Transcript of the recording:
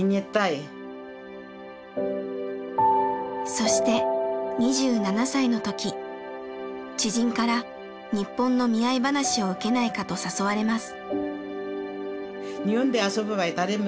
そして２７歳の時知人から日本の見合い話を受けないかと誘われます。